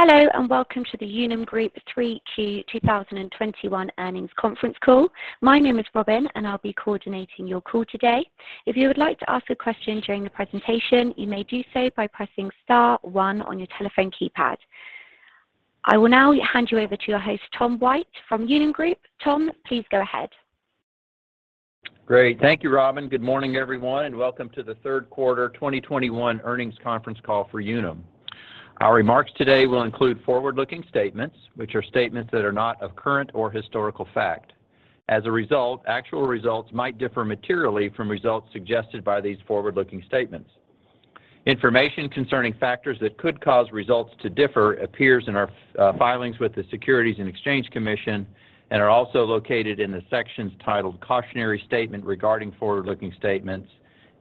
Hello and welcome to the Unum Group 3Q 2021 Earnings Conference Call. My name is Robin and I'll be coordinating your call today. If you would like to ask a question during the presentation, you may do so by pressing star one on your telephone keypad. I will now hand you over to your host, Tom White from Unum Group. Tom, please go ahead. Great. Thank you, Robin. Good morning, everyone, and welcome to the third quarter 2021 earnings conference call for Unum. Our remarks today will include forward-looking statements, which are statements that are not of current or historical fact. As a result, actual results might differ materially from results suggested by these forward-looking statements. Information concerning factors that could cause results to differ appears in our filings with the Securities and Exchange Commission and are also located in the sections titled Cautionary Statement Regarding Forward-Looking Statements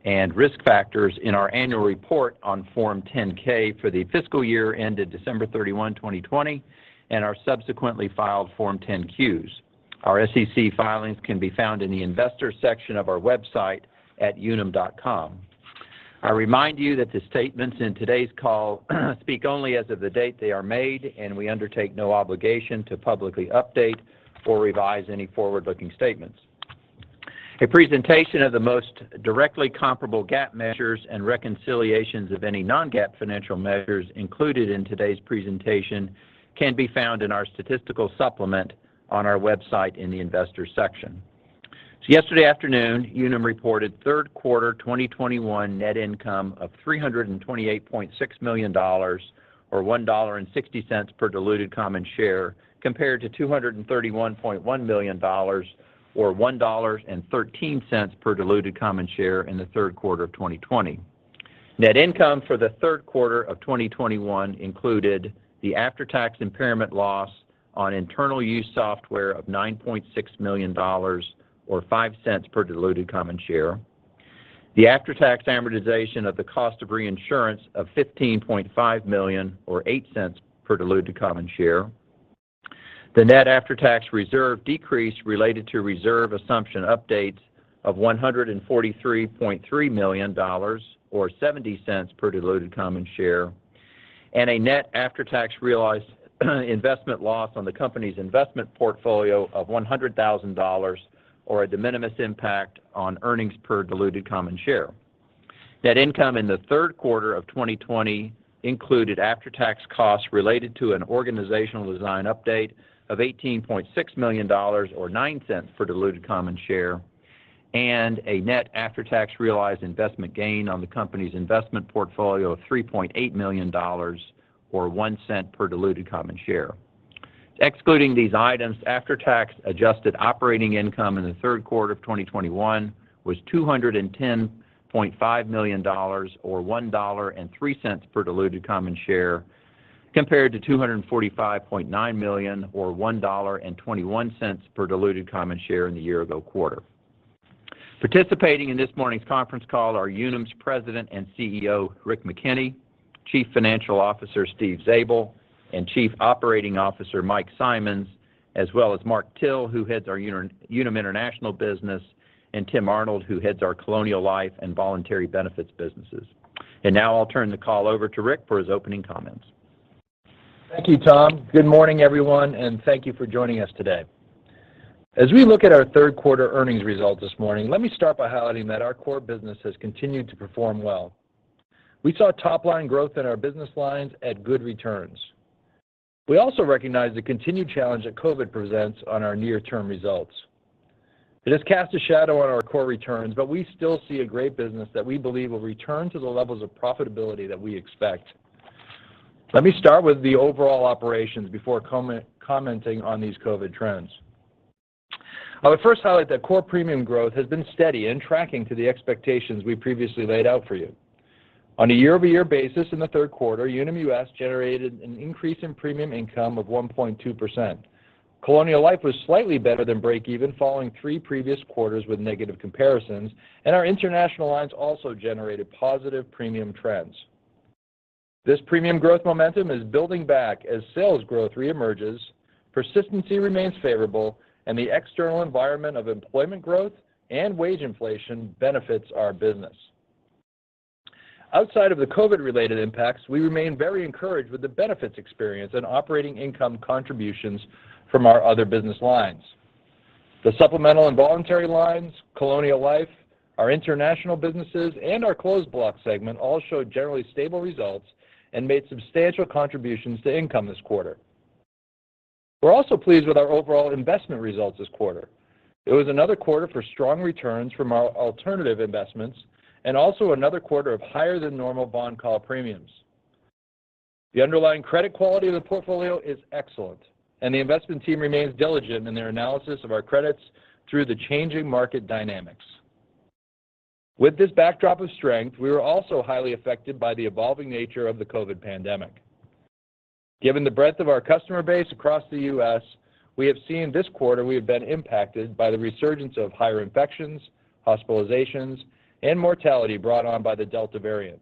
and Risk Factors in our annual report on Form 10-K for the fiscal year ended December 31, 2020, and our subsequently filed Form 10-Qs. Our SEC filings can be found in the Investors section of our website at unum.com. I remind you that the statements in today's call speak only as of the date they are made, and we undertake no obligation to publicly update or revise any forward-looking statements. A presentation of the most directly comparable GAAP measures and reconciliations of any non-GAAP financial measures included in today's presentation can be found in our statistical supplement on our website in the Investors section. Yesterday afternoon, Unum reported third quarter 2021 net income of $328.6 million or $1.60 per diluted common share compared to $231.1 million or $1.13 per diluted common share in the third quarter of 2020. Net income for the third quarter of 2021 included the after-tax impairment loss on internal use software of $9.6 million or $0.05 per diluted common share. The after-tax amortization of the cost of reinsurance of $15.5 million or $0.08 per diluted common share. The net after-tax reserve decrease related to reserve assumption updates of $143.3 million or $0.70 per diluted common share, and a net after-tax realized investment loss on the company's investment portfolio of $100,000 or a de minimis impact on earnings per diluted common share. Net income in the third quarter of 2020 included after-tax costs related to an organizational design update of $18.6 million or $0.09 per diluted common share, and a net after-tax realized investment gain on the company's investment portfolio of $3.8 million or $0.01 per diluted common share. Excluding these items, after-tax adjusted operating income in the third quarter of 2021 was $210.5 million or $1.03 per diluted common share compared to $245.9 million or $1.21 per diluted common share in the year ago quarter. Participating in this morning's conference call are Unum's President and CEO, Rick McKenney, Chief Financial Officer, Steve Zabel, and Chief Operating Officer, Mike Simonds, as well as Mark Till, who heads our Unum International business, and Tim Arnold, who heads our Colonial Life and Voluntary Benefits businesses. Now I'll turn the call over to Rick for his opening comments. Thank you, Tom. Good morning, everyone, and thank you for joining us today. As we look at our third quarter earnings results this morning, let me start by highlighting that our core business has continued to perform well. We saw top line growth in our business lines at good returns. We also recognize the continued challenge that COVID presents on our near-term results. It has cast a shadow on our core returns, but we still see a great business that we believe will return to the levels of profitability that we expect. Let me start with the overall operations before commenting on these COVID trends. I would first highlight that core premium growth has been steady and tracking to the expectations we previously laid out for you. On a year-over-year basis in the third quarter, Unum US generated an increase in premium income of 1.2%. Colonial Life was slightly better than break even following three previous quarters with negative comparisons, and our international lines also generated positive premium trends. This premium growth momentum is building back as sales growth re-emerges, persistency remains favorable, and the external environment of employment growth and wage inflation benefits our business. Outside of the COVID-related impacts, we remain very encouraged with the benefits experienced in operating income contributions from our other business lines. The supplemental and voluntary lines, Colonial Life, our international businesses, and our closed block segment all showed generally stable results and made substantial contributions to income this quarter. We're also pleased with our overall investment results this quarter. It was another quarter for strong returns from our alternative investments, and also another quarter of higher than normal bond call premiums. The underlying credit quality of the portfolio is excellent, and the investment team remains diligent in their analysis of our credits through the changing market dynamics. With this backdrop of strength, we were also highly affected by the evolving nature of the COVID pandemic. Given the breadth of our customer base across the U.S., we have seen this quarter we have been impacted by the resurgence of higher infections, hospitalizations, and mortality brought on by the Delta variant.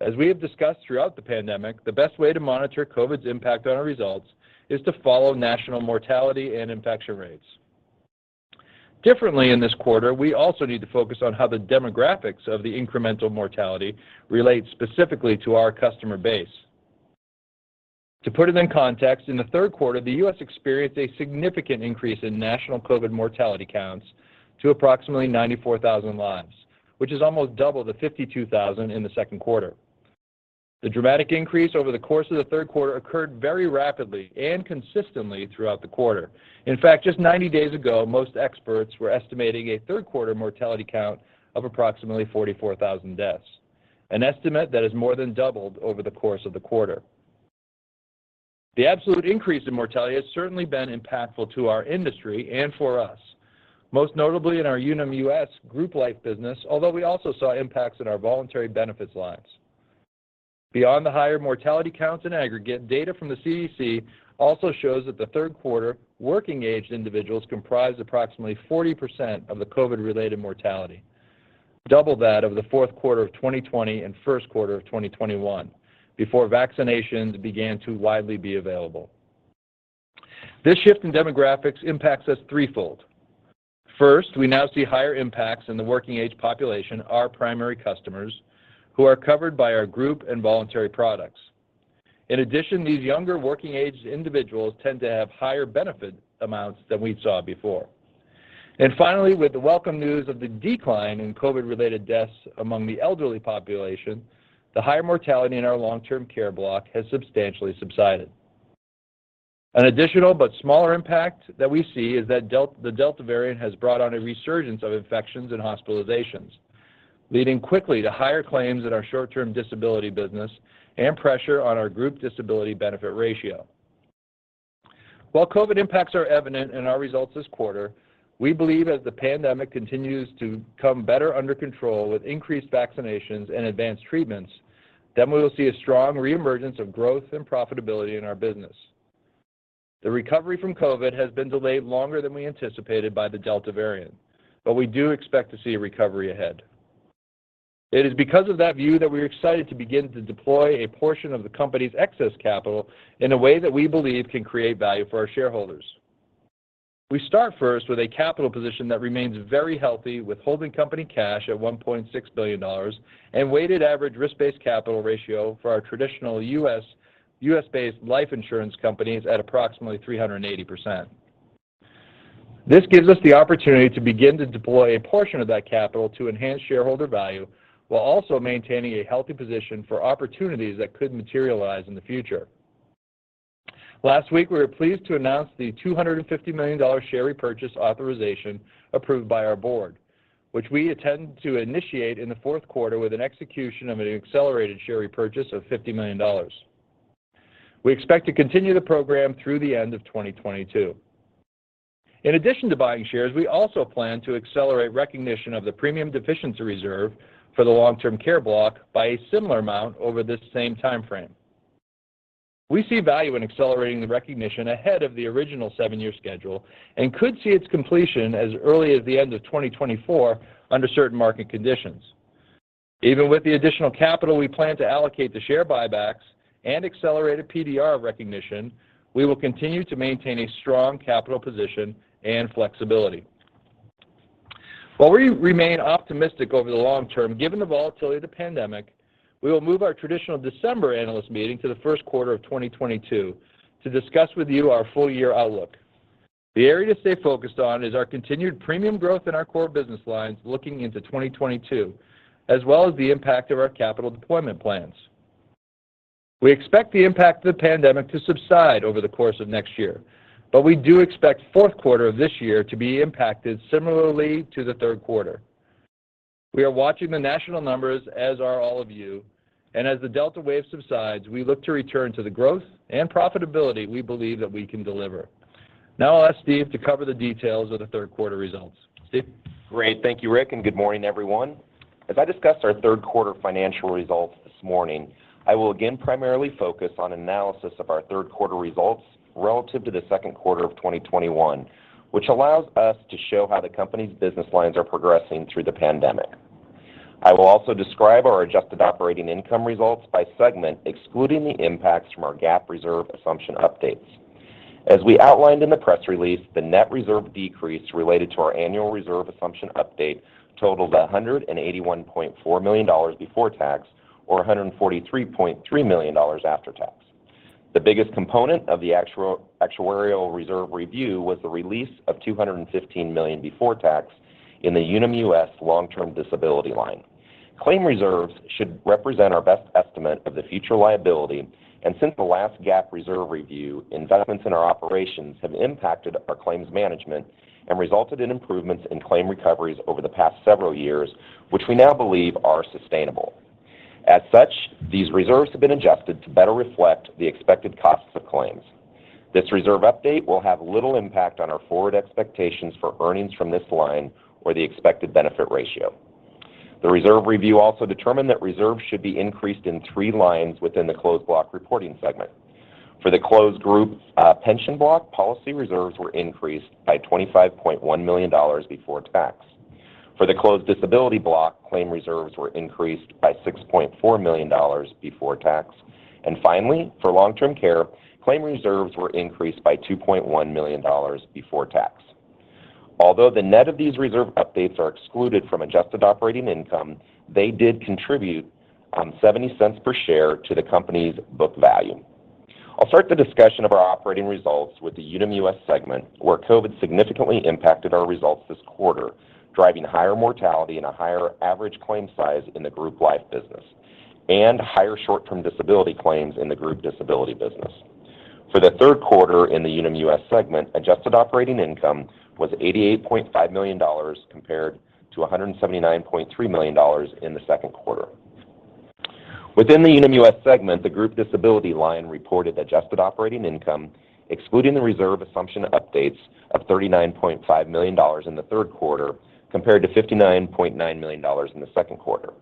As we have discussed throughout the pandemic, the best way to monitor COVID's impact on our results is to follow national mortality and infection rates. Differently in this quarter, we also need to focus on how the demographics of the incremental mortality relate specifically to our customer base. To put it in context, in the third quarter, the U.S. experienced a significant increase in national COVID mortality counts to approximately 94,000 lives, which is almost double the 52,000 in the second quarter. The dramatic increase over the course of the third quarter occurred very rapidly and consistently throughout the quarter. In fact, just 90 days ago, most experts were estimating a third quarter mortality count of approximately 44,000 deaths, an estimate that has more than doubled over the course of the quarter. The absolute increase in mortality has certainly been impactful to our industry and for us, most notably in our Unum U.S. Group Life business, although we also saw impacts in our voluntary benefits lines. Beyond the higher mortality counts in aggregate, data from the CDC also shows that the third quarter working-age individuals comprised approximately 40% of the COVID-related mortality, double that of the fourth quarter of 2020 and first quarter of 2021 before vaccinations began to widely be available. This shift in demographics impacts us threefold. First, we now see higher impacts in the working-age population, our primary customers, who are covered by our group and voluntary products. In addition, these younger working-age individuals tend to have higher benefit amounts than we saw before. Finally, with the welcome news of the decline in COVID-related deaths among the elderly population, the higher mortality in our long-term care block has substantially subsided. An additional but smaller impact that we see is that the Delta variant has brought on a resurgence of infections and hospitalizations, leading quickly to higher claims in our short-term disability business and pressure on our group disability benefit ratio. While COVID impacts are evident in our results this quarter, we believe as the pandemic continues to come better under control with increased vaccinations and advanced treatments, then we will see a strong reemergence of growth and profitability in our business. The recovery from COVID has been delayed longer than we anticipated by the Delta variant, but we do expect to see a recovery ahead. It is because of that view that we're excited to begin to deploy a portion of the company's excess capital in a way that we believe can create value for our shareholders. We start first with a capital position that remains very healthy with holding company cash at $1.6 billion and weighted average risk-based capital ratio for our traditional U.S., U.S.-based life insurance companies at approximately 380%. This gives us the opportunity to begin to deploy a portion of that capital to enhance shareholder value while also maintaining a healthy position for opportunities that could materialize in the future. Last week, we were pleased to announce the $250 million share repurchase authorization approved by our board, which we intend to initiate in the fourth quarter with an execution of an accelerated share repurchase of $50 million. We expect to continue the program through the end of 2022. In addition to buying shares, we also plan to accelerate recognition of the premium deficiency reserve for the long-term care block by a similar amount over this same time frame. We see value in accelerating the recognition ahead of the original 7-year schedule and could see its completion as early as the end of 2024 under certain market conditions. Even with the additional capital we plan to allocate to the share buybacks and accelerated PDR recognition, we will continue to maintain a strong capital position and flexibility. While we remain optimistic over the long term, given the volatility of the pandemic, we will move our traditional December analyst meeting to the first quarter of 2022 to discuss with you our full year outlook. The area to stay focused on is our continued premium growth in our core business lines looking into 2022, as well as the impact of our capital deployment plans. We expect the impact of the pandemic to subside over the course of next year, but we do expect fourth quarter of this year to be impacted similarly to the third quarter. We are watching the national numbers, as are all of you, and as the Delta wave subsides, we look to return to the growth and profitability we believe that we can deliver. Now I'll ask Steve to cover the details of the third quarter results. Steve? Great. Thank you, Rick, and good morning, everyone. As I discussed our third quarter financial results this morning, I will again primarily focus on analysis of our third quarter results relative to the second quarter of 2021, which allows us to show how the company's business lines are progressing through the pandemic. I will also describe our adjusted operating income results by segment, excluding the impacts from our GAAP reserve assumption updates. As we outlined in the press release, the net reserve decrease related to our annual reserve assumption update totaled $181.4 million before tax, or $143.3 million after tax. The biggest component of the actuarial reserve review was the release of $215 million before tax in the Unum US long-term disability line. Claim reserves should represent our best estimate of the future liability, and since the last GAAP reserve review, investments in our operations have impacted our claims management and resulted in improvements in claim recoveries over the past several years, which we now believe are sustainable. As such, these reserves have been adjusted to better reflect the expected costs of claims. This reserve update will have little impact on our forward expectations for earnings from this line or the expected benefit ratio. The reserve review also determined that reserves should be increased in three lines within the closed block reporting segment. For the closed group pension block, policy reserves were increased by $25.1 million before tax. For the closed disability block, claim reserves were increased by $6.4 million before tax. Finally, for long-term care, claim reserves were increased by $2.1 million before tax. Although the net of these reserve updates are excluded from adjusted operating income, they did contribute $0.70 per share to the company's book value. I'll start the discussion of our operating results with the Unum US segment, where COVID significantly impacted our results this quarter, driving higher mortality and a higher average claim size in the group life business, and higher short-term disability claims in the group disability business. For the third quarter in the Unum US segment, adjusted operating income was $88.5 million compared to $179.3 million in the second quarter. Within the Unum US segment, the group disability line reported adjusted operating income, excluding the reserve assumption updates of $39.5 million in the third quarter compared to $59.9 million in the second quarter.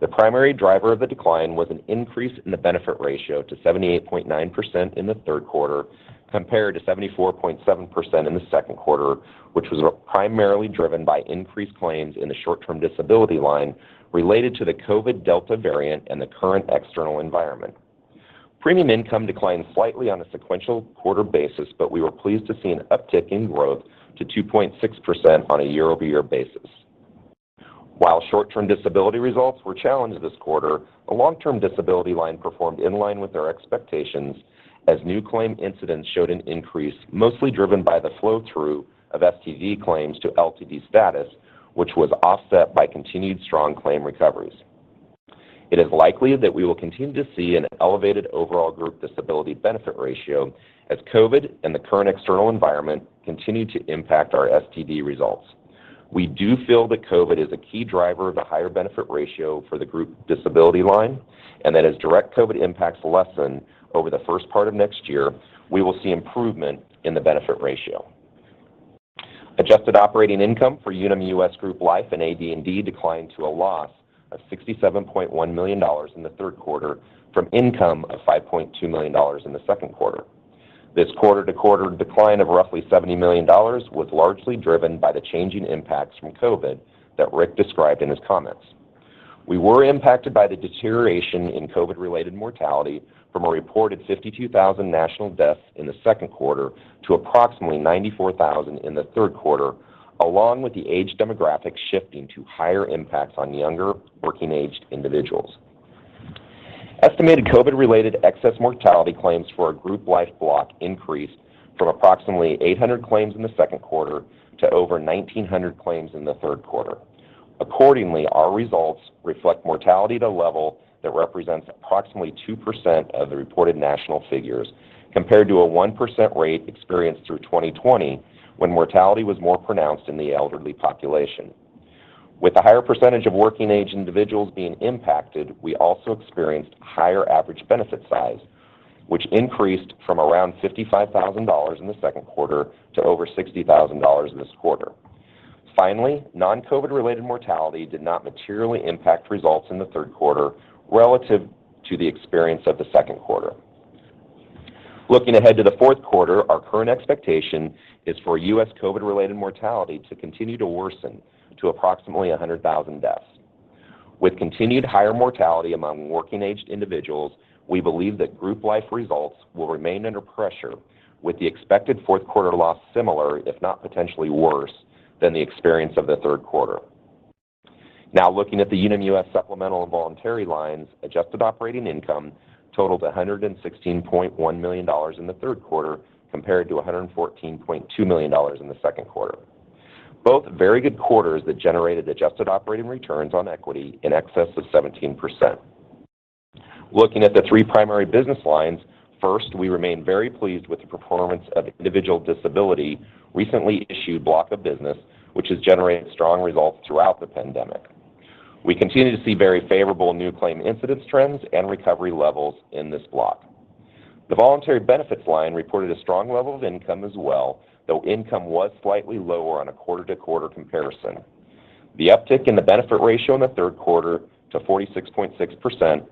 The primary driver of the decline was an increase in the benefit ratio to 78.9% in the third quarter compared to 74.7% in the second quarter, which was primarily driven by increased claims in the short-term disability line related to the COVID Delta variant and the current external environment. Premium income declined slightly on a sequential quarter basis, but we were pleased to see an uptick in growth to 2.6% on a year-over-year basis. While short-term disability results were challenged this quarter, the long-term disability line performed in line with our expectations as new claim incidents showed an increase mostly driven by the flow-through of STD claims to LTD status, which was offset by continued strong claim recoveries. It is likely that we will continue to see an elevated overall group disability benefit ratio as COVID and the current external environment continue to impact our STD results. We do feel that COVID is a key driver of the higher benefit ratio for the group disability line, and that as direct COVID impacts lessen over the first part of next year, we will see improvement in the benefit ratio. Adjusted operating income for Unum US Group Life and AD&D declined to a loss of $67.1 million in the third quarter from income of $5.2 million in the second quarter. This quarter-to-quarter decline of roughly $70 million was largely driven by the changing impacts from COVID that Rick described in his comments. We were impacted by the deterioration in COVID-related mortality from a reported 52,000 national deaths in the second quarter to approximately 94,000 in the third quarter, along with the age demographic shifting to higher impacts on younger working-aged individuals. Estimated COVID-related excess mortality claims for our group life block increased from approximately 800 claims in the second quarter to over 1,900 claims in the third quarter. Accordingly, our results reflect mortality at a level that represents approximately 2% of the reported national figures compared to a 1% rate experienced through 2020 when mortality was more pronounced in the elderly population. With a higher percentage of working-age individuals being impacted, we also experienced higher average benefit size, which increased from around $55,000 in the second quarter to over $60,000 this quarter. Finally, non-COVID-related mortality did not materially impact results in the third quarter relative to the experience of the second quarter. Looking ahead to the fourth quarter, our current expectation is for U.S. COVID-related mortality to continue to worsen to approximately 100,000 deaths. With continued higher mortality among working-aged individuals, we believe that group life results will remain under pressure with the expected fourth quarter loss similar, if not potentially worse, than the experience of the third quarter. Now looking at the Unum US supplemental and voluntary lines, adjusted operating income totaled $116.1 million in the third quarter compared to $114.2 million in the second quarter. Both very good quarters that generated adjusted operating returns on equity in excess of 17%. Looking at the three primary business lines, first, we remain very pleased with the performance of individual disability recently issued block of business, which has generated strong results throughout the pandemic. We continue to see very favorable new claim incidence trends and recovery levels in this block. The voluntary benefits line reported a strong level of income as well, though income was slightly lower on a quarter-to-quarter comparison. The uptick in the benefit ratio in the third quarter to 46.6%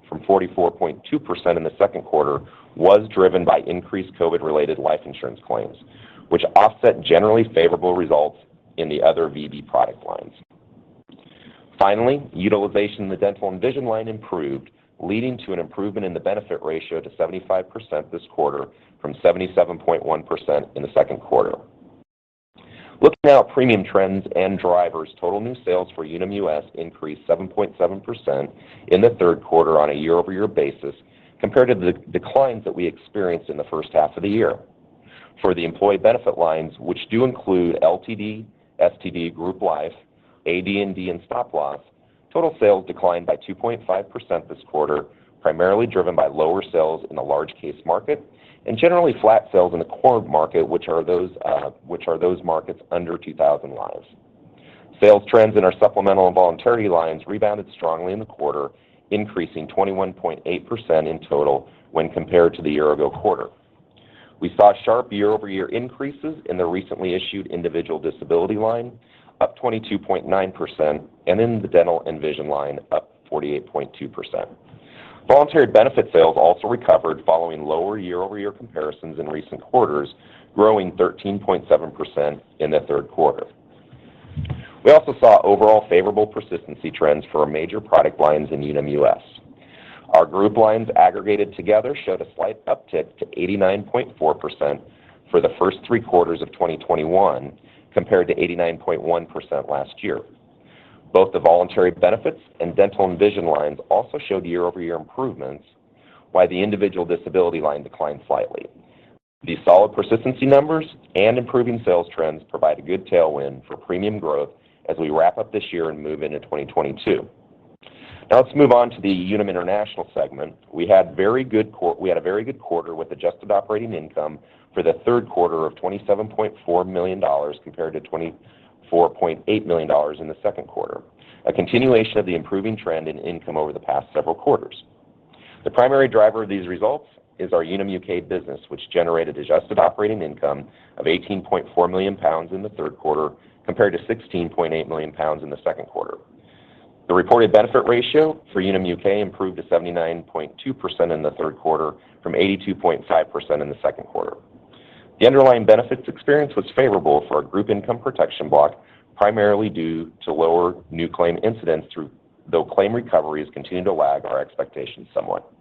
from 44.2% in the second quarter was driven by increased COVID-related life insurance claims, which offset generally favorable results in the other VB product lines. Finally, utilization in the dental and vision line improved, leading to an improvement in the benefit ratio to 75% this quarter from 77.1% in the second quarter. Looking at premium trends and drivers, total new sales for Unum US increased 7.7% in the third quarter on a year-over-year basis compared to the declines that we experienced in the first half of the year. For the employee benefit lines, which do include LTD, STD, Group Life, AD&D, and Stop Loss, total sales declined by 2.5% this quarter, primarily driven by lower sales in the large case market and generally flat sales in the core market, which are those markets under 2,000 lives. Sales trends in our supplemental and voluntary lines rebounded strongly in the quarter, increasing 21.8% in total when compared to the year-ago quarter. We saw sharp year-over-year increases in the recently issued individual disability line, up 22.9%, and in the dental and vision line, up 48.2%. Voluntary benefit sales also recovered following lower year-over-year comparisons in recent quarters, growing 13.7% in the third quarter. We also saw overall favorable persistency trends for our major product lines in Unum US. Our group lines aggregated together showed a slight uptick to 89.4% for the first three quarters of 2021 compared to 89.1% last year. Both the voluntary benefits and dental and vision lines also showed year-over-year improvements, while the individual disability line declined slightly. These solid persistency numbers and improving sales trends provide a good tailwind for premium growth as we wrap up this year and move into 2022. Now let's move on to the Unum International segment. We had a very good quarter with adjusted operating income for the third quarter of $27.4 million compared to $24.8 million in the second quarter, a continuation of the improving trend in income over the past several quarters. The primary driver of these results is our Unum UK business, which generated adjusted operating income of 18.4 million pounds in the third quarter compared to 16.8 million pounds in the second quarter. The reported benefit ratio for Unum UK improved to 79.2% in the third quarter from 82.5% in the second quarter. The underlying benefits experience was favorable for our group income protection block, primarily due to lower new claim incidents, though claim recoveries continued to lag our expectations somewhat.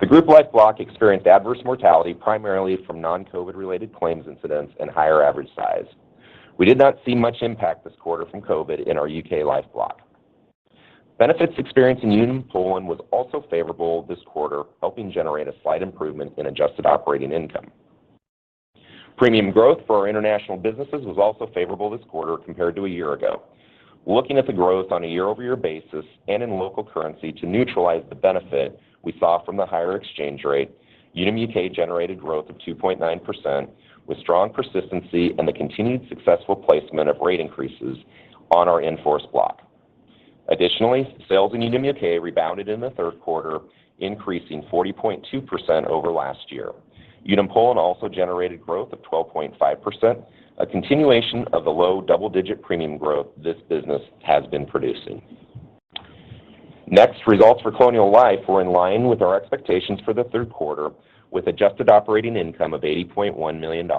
The group life block experienced adverse mortality primarily from non-COVID-related claims incidents and higher average size. We did not see much impact this quarter from COVID in our UK life block. Benefits experience in Unum Poland was also favorable this quarter, helping generate a slight improvement in adjusted operating income. Premium growth for our international businesses was also favorable this quarter compared to a year ago. Looking at the growth on a year-over-year basis and in local currency to neutralize the benefit we saw from the higher exchange rate, Unum UK generated growth of 2.9% with strong persistency and the continued successful placement of rate increases on our in-force block. Additionally, sales in Unum UK rebounded in the third quarter, increasing 40.2% over last year. Unum Poland also generated growth of 12.5%, a continuation of the low double-digit premium growth this business has been producing. Next, results for Colonial Life were in line with our expectations for the third quarter, with adjusted operating income of $80.1 million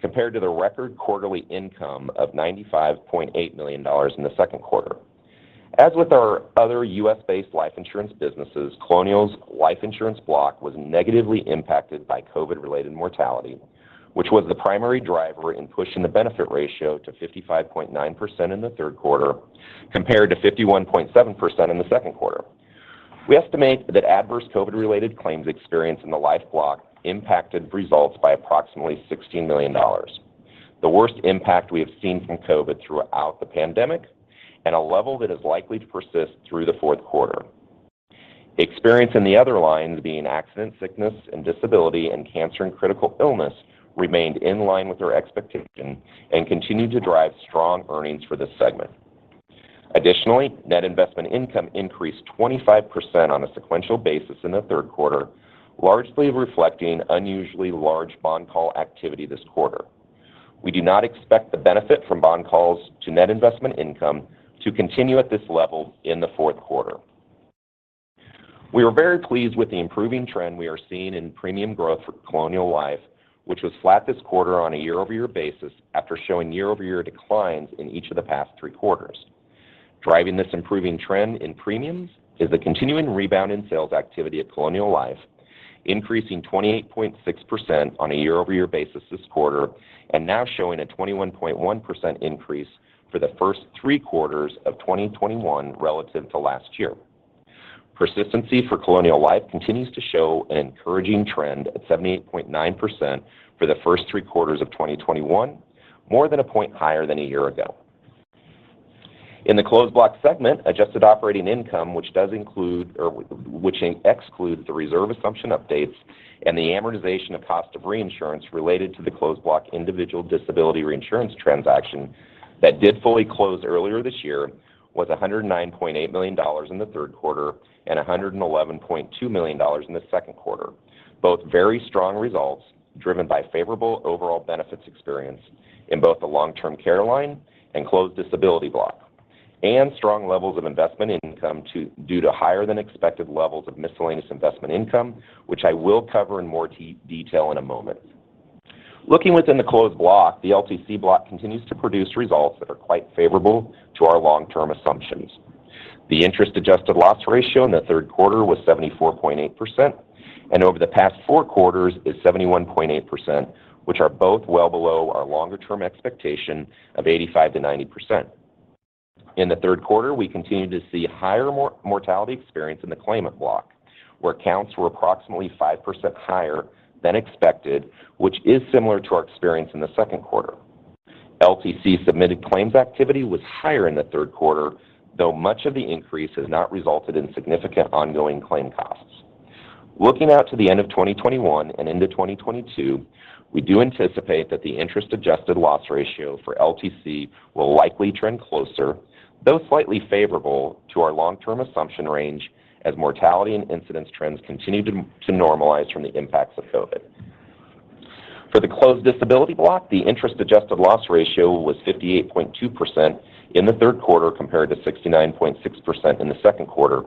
compared to the record quarterly income of $95.8 million in the second quarter. As with our other U.S.-based life insurance businesses, Colonial's life insurance block was negatively impacted by COVID-related mortality, which was the primary driver in pushing the benefit ratio to 55.9% in the third quarter compared to 51.7% in the second quarter. We estimate that adverse COVID-related claims experience in the life block impacted results by approximately $16 million, the worst impact we have seen from COVID throughout the pandemic, and a level that is likely to persist through the fourth quarter. Experience in the other lines, being accident, sickness, and disability and cancer and critical illness, remained in line with our expectation and continued to drive strong earnings for this segment. Additionally, net investment income increased 25% on a sequential basis in the third quarter, largely reflecting unusually large bond call activity this quarter. We do not expect the benefit from bond calls to net investment income to continue at this level in the fourth quarter. We were very pleased with the improving trend we are seeing in premium growth for Colonial Life, which was flat this quarter on a year-over-year basis after showing year-over-year declines in each of the past three quarters. Driving this improving trend in premiums is the continuing rebound in sales activity at Colonial Life, increasing 28.6% on a year-over-year basis this quarter, and now showing a 21.1% increase for the first three quarters of 2021 relative to last year. Persistency for Colonial Life continues to show an encouraging trend at 78.9% for the first three quarters of 2021, more than a point higher than a year ago. In the closed block segment, adjusted operating income, which excludes the reserve assumption updates and the amortization of cost of reinsurance related to the closed block individual disability reinsurance transaction that did fully close earlier this year, was $109.8 million in the third quarter and $111.2 million in the second quarter, both very strong results driven by favorable overall benefits experience in both the long-term care line and closed disability block, and strong levels of investment income due to higher than expected levels of miscellaneous investment income, which I will cover in more detail in a moment. Looking within the closed block, the LTC block continues to produce results that are quite favorable to our long-term assumptions. The interest-adjusted loss ratio in the third quarter was 74.8%, and over the past four quarters is 71.8%, which are both well below our longer-term expectation of 85%-90%. In the third quarter, we continued to see higher mortality experience in the claimant block, where counts were approximately 5% higher than expected, which is similar to our experience in the second quarter. LTC submitted claims activity was higher in the third quarter, though much of the increase has not resulted in significant ongoing claim costs. Looking out to the end of 2021 and into 2022, we do anticipate that the interest-adjusted loss ratio for LTC will likely trend closer, though slightly favorable, to our long-term assumption range as mortality and incidence trends continue to normalize from the impacts of COVID. For the closed disability block, the interest-adjusted loss ratio was 58.2% in the third quarter compared to 69.6% in the second quarter,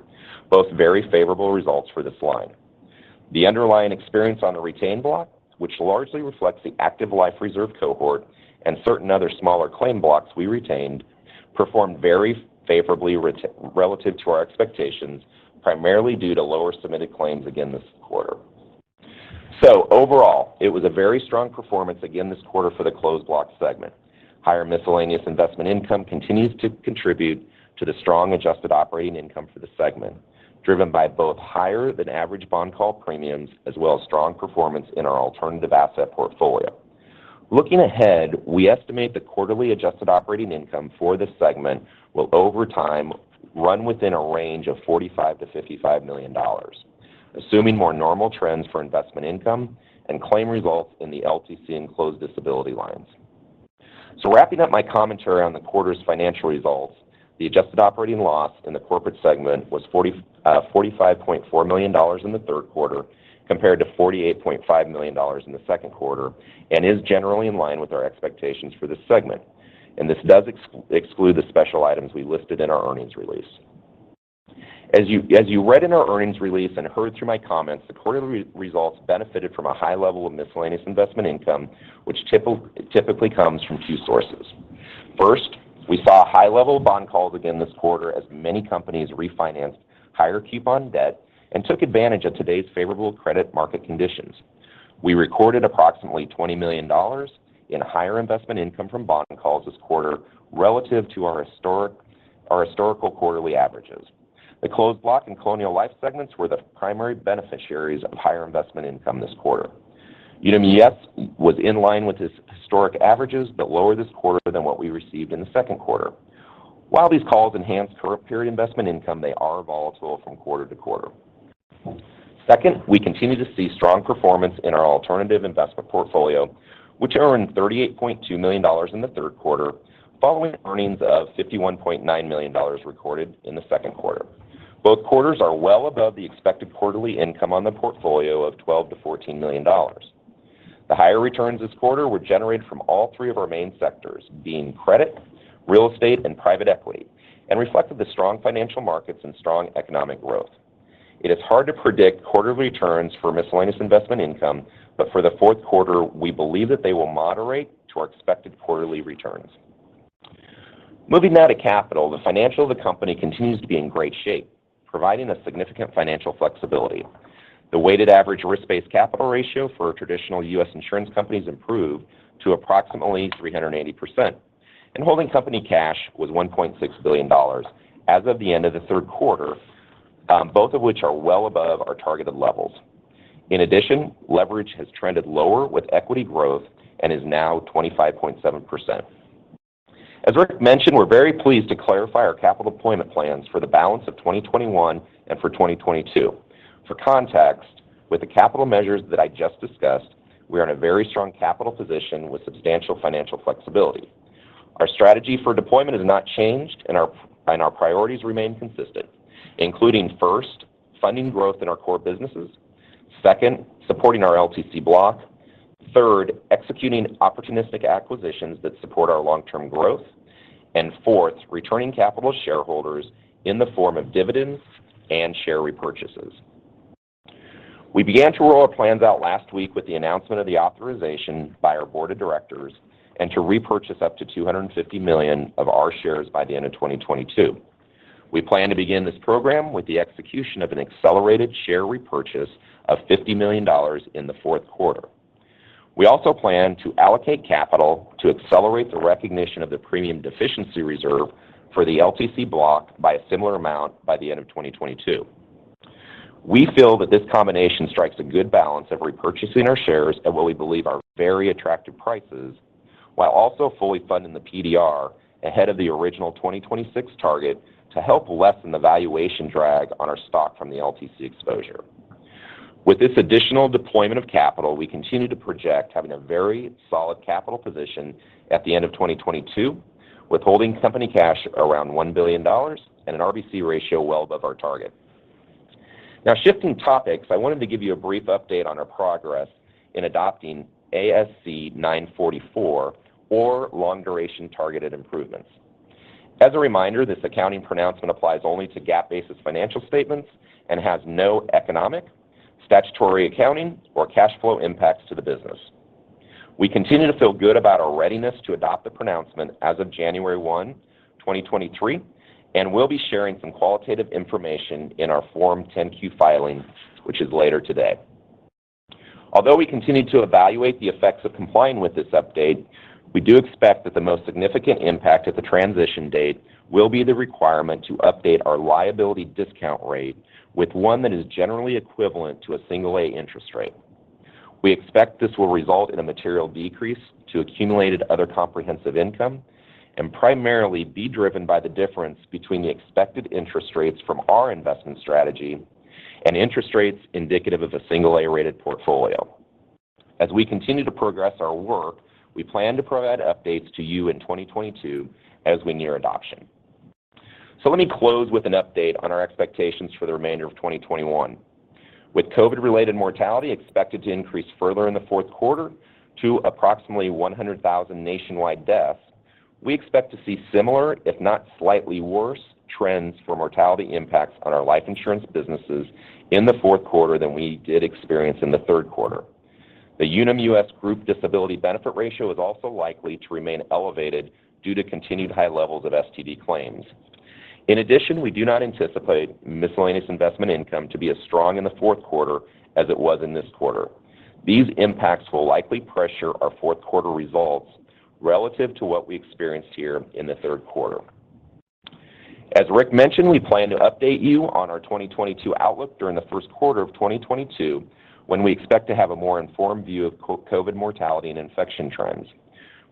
both very favorable results for this line. The underlying experience on a retained block, which largely reflects the active life reserve cohort and certain other smaller claim blocks we retained, performed very favorably relative to our expectations, primarily due to lower submitted claims again this quarter. Overall, it was a very strong performance again this quarter for the closed block segment. Higher miscellaneous investment income continues to contribute to the strong adjusted operating income for the segment, driven by both higher than average bond call premiums as well as strong performance in our alternative asset portfolio. Looking ahead, we estimate the quarterly adjusted operating income for this segment will over time run within a range of $45 million-$55 million, assuming more normal trends for investment income and claim results in the LTC and closed disability lines. Wrapping up my commentary on the quarter's financial results, the adjusted operating loss in the corporate segment was $45.4 million in the third quarter compared to $48.5 million in the second quarter, and is generally in line with our expectations for this segment. This does exclude the special items we listed in our earnings release. As you read in our earnings release and heard through my comments, the quarterly results benefited from a high level of miscellaneous investment income, which typically comes from two sources. First, we saw a high level of bond calls again this quarter as many companies refinanced higher coupon debt and took advantage of today's favorable credit market conditions. We recorded approximately $20 million in higher investment income from bond calls this quarter relative to our historical quarterly averages. The closed block and Colonial Life segments were the primary beneficiaries of higher investment income this quarter. Unum US was in line with historical averages, but lower this quarter than what we received in the second quarter. While these calls enhance current period investment income, they are volatile from quarter to quarter. Second, we continue to see strong performance in our alternative investment portfolio, which earned $38.2 million in the third quarter following earnings of $51.9 million recorded in the second quarter. Both quarters are well above the expected quarterly income on the portfolio of $12 million-$14 million. The higher returns this quarter were generated from all three of our main sectors, being credit, real estate, and private equity, and reflected the strong financial markets and strong economic growth. It is hard to predict quarterly returns for miscellaneous investment income, but for the fourth quarter, we believe that they will moderate to our expected quarterly returns. Moving now to capital, the finances of the company continues to be in great shape, providing a significant financial flexibility. The weighted average risk-based capital ratio for traditional U.S. insurance companies improved to approximately 380%, and holding company cash was $1.6 billion as of the end of the third quarter, both of which are well above our targeted levels. In addition, leverage has trended lower with equity growth and is now 25.7%. As Rick mentioned, we're very pleased to clarify our capital deployment plans for the balance of 2021 and for 2022. For context, with the capital measures that I just discussed, we are in a very strong capital position with substantial financial flexibility. Our strategy for deployment has not changed, and our priorities remain consistent, including, first, funding growth in our core businesses, second, supporting our LTC block, third, executing opportunistic acquisitions that support our long-term growth, and fourth, returning capital to shareholders in the form of dividends and share repurchases. We began to roll our plans out last week with the announcement of the authorization by our board of directors to repurchase up to 250 million of our shares by the end of 2022. We plan to begin this program with the execution of an accelerated share repurchase of $50 million in the fourth quarter. We also plan to allocate capital to accelerate the recognition of the premium deficiency reserve for the LTC block by a similar amount by the end of 2022. We feel that this combination strikes a good balance of repurchasing our shares at what we believe are very attractive prices while also fully funding the PDR ahead of the original 2026 target to help lessen the valuation drag on our stock from the LTC exposure. With this additional deployment of capital, we continue to project having a very solid capital position at the end of 2022, with holding company cash around $1 billion and an RBC ratio well above our target. Now shifting topics, I wanted to give you a brief update on our progress in adopting ASC 944 or long-duration targeted improvements. As a reminder, this accounting pronouncement applies only to GAAP-basis financial statements and has no economic, statutory accounting, or cash flow impacts to the business. We continue to feel good about our readiness to adopt the pronouncement as of January 1, 2023, and we'll be sharing some qualitative information in our Form 10-Q filing, which is later today. Although we continue to evaluate the effects of complying with this update, we do expect that the most significant impact at the transition date will be the requirement to update our liability discount rate with one that is generally equivalent to a single A interest rate. We expect this will result in a material decrease to accumulated other comprehensive income and primarily be driven by the difference between the expected interest rates from our investment strategy and interest rates indicative of a single A-rated portfolio. As we continue to progress our work, we plan to provide updates to you in 2022 as we near adoption. Let me close with an update on our expectations for the remainder of 2021. With COVID-related mortality expected to increase further in the fourth quarter to approximately 100,000 nationwide deaths, we expect to see similar, if not slightly worse, trends for mortality impacts on our life insurance businesses in the fourth quarter than we did experience in the third quarter. The Unum US group disability benefit ratio is also likely to remain elevated due to continued high levels of STD claims. In addition, we do not anticipate miscellaneous investment income to be as strong in the fourth quarter as it was in this quarter. These impacts will likely pressure our fourth quarter results relative to what we experienced here in the third quarter. As Rick mentioned, we plan to update you on our 2022 outlook during the first quarter of 2022, when we expect to have a more informed view of COVID mortality and infection trends.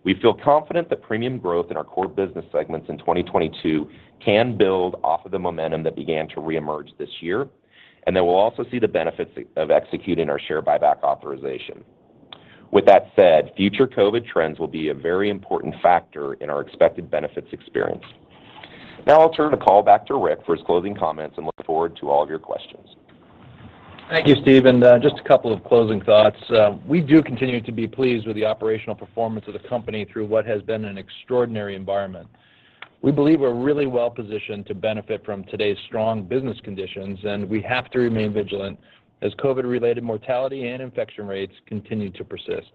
We feel confident that premium growth in our core business segments in 2022 can build off of the momentum that began to reemerge this year, and that we'll also see the benefits of executing our share buyback authorization. With that said, future COVID trends will be a very important factor in our expected benefits experience. Now I'll turn the call back to Rick for his closing comments and look forward to all of your questions. Thank you, Steve, and just a couple of closing thoughts. We do continue to be pleased with the operational performance of the company through what has been an extraordinary environment. We believe we're really well-positioned to benefit from today's strong business conditions, and we have to remain vigilant as COVID-related mortality and infection rates continue to persist.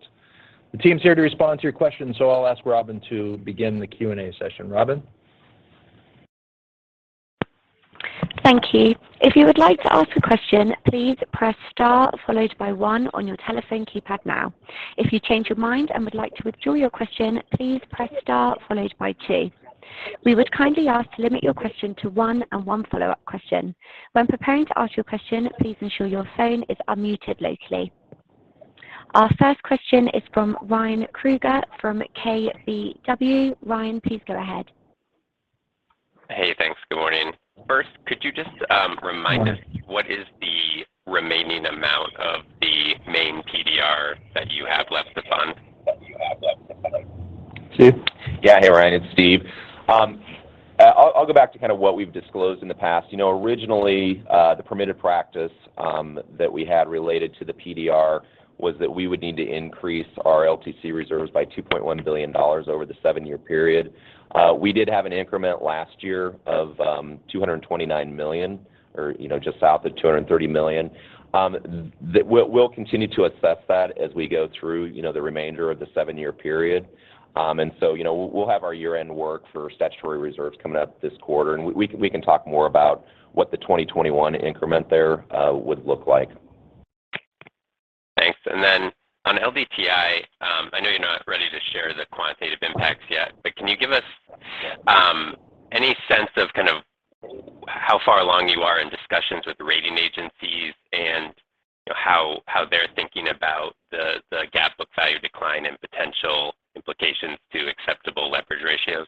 The team's here to respond to your questions, so I'll ask Robin to begin the Q&A session. Robin? Thank you. If you would like to ask a question, please press star followed by one on your telephone keypad now. If you change your mind and would like to withdraw your question, please press star followed by two. We would kindly ask to limit your question to one and one follow-up question. When preparing to ask your question, please ensure your phone is unmuted locally. Our first question is from Ryan Krueger from KBW. Ryan, please go ahead. Hey, thanks. Good morning. First, could you just remind us what is the remaining amount of the main PDR that you have left to fund? Steve? Yeah. Hey, Ryan, it's Steve. I'll go back to kind of what we've disclosed in the past. You know, originally, the permitted practice that we had related to the PDR was that we would need to increase our LTC reserves by $2.1 billion over the seven-year period. We did have an increment last year of $229 million or, you know, just south of $230 million. We'll continue to assess that as we go through, you know, the remainder of the seven-year period. You know, we'll have our year-end work for statutory reserves coming up this quarter, and we can talk more about what the 2021 increment there would look like. Thanks. On LDTI, I know you're not ready to share the quantitative impacts yet, but can you give us any sense of kind of how far along you are in discussions with the rating agencies and, you know, how they're thinking about the GAAP book-value decline and potential implications to acceptable leverage ratios?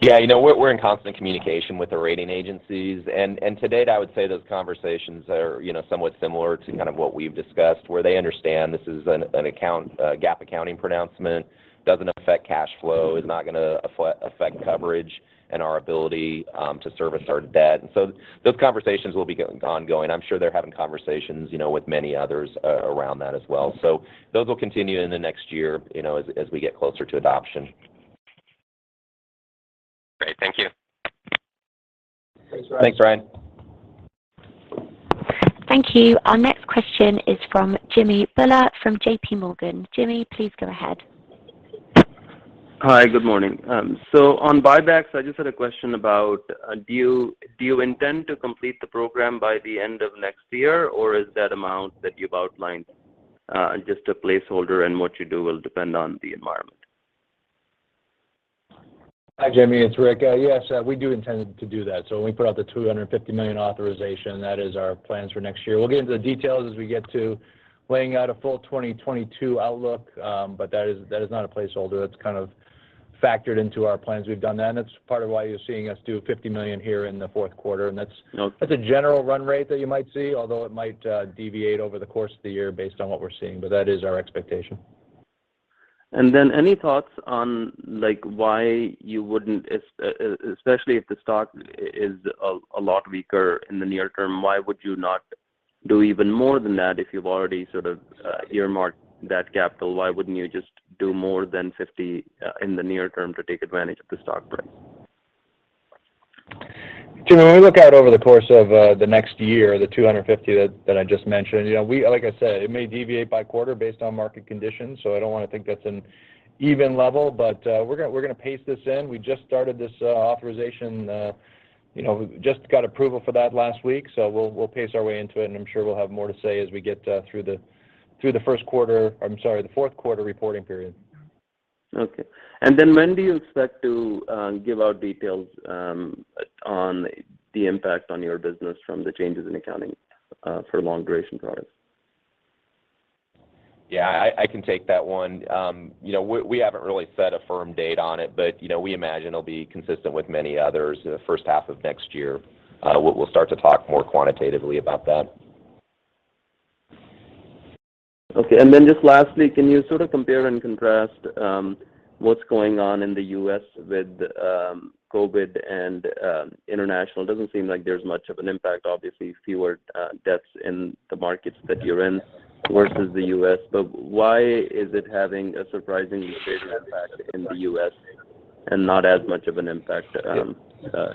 Yeah. You know, we're in constant communication with the rating agencies, and to date, I would say those conversations are, you know, somewhat similar to kind of what we've discussed, where they understand this is a GAAP accounting pronouncement, doesn't affect cash flow, is not gonna affect coverage and our ability to service our debt. Those conversations will be ongoing. I'm sure they're having conversations, you know, with many others around that as well. Those will continue in the next year, you know, as we get closer to adoption. Great. Thank you. Thanks, Ryan. Thanks, Ryan. Thank you. Our next question is from Jimmy Bhullar from J.P. Morgan. Jimmy, please go ahead. Hi. Good morning. On buybacks, I just had a question about, do you intend to complete the program by the end of next year, or is that amount that you've outlined, just a placeholder, and what you do will depend on the environment? Hi, Jimmy. It's Rick. Yes, we do intend to do that. When we put out the $250 million authorization, that is our plans for next year. We'll get into the details as we get to laying out a full 2022 outlook, but that is not a placeholder. That's kind of factored into our plans. We've done that, and it's part of why you're seeing us do $50 million here in the fourth quarter, and that's Okay. That's a general run rate that you might see, although it might deviate over the course of the year based on what we're seeing, but that is our expectation. Any thoughts on, like, why you wouldn't, especially if the stock is a lot weaker in the near term, why would you not do even more than that if you've already sort of earmarked that capital? Why wouldn't you just do more than 50 in the near term to take advantage of the stock price? Jimmy, when we look out over the course of the next year, the 250 that I just mentioned, you know, we, like I said, it may deviate by quarter based on market conditions, so I don't wanna think that's an even level. We're gonna pace this in. We just started this authorization. You know, we just got approval for that last week, so we'll pace our way into it, and I'm sure we'll have more to say as we get through the first quarter. I'm sorry, the fourth quarter reporting period. Okay. When do you expect to give out details on the impact on your business from the changes in accounting for long duration products? Yeah. I can take that one. You know, we haven't really set a firm date on it, but, you know, we imagine it'll be consistent with many others. The first half of next year, we'll start to talk more quantitatively about that. Okay. Just lastly, can you sort of compare and contrast what's going on in the U.S. with COVID and international? It doesn't seem like there's much of an impact, obviously fewer deaths in the markets that you're in versus the U.S. Why is it having a surprisingly stable impact in the U.S. and not as much of an impact